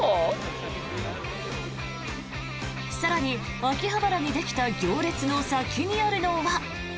更に、秋葉原にできた行列の先にあるのは。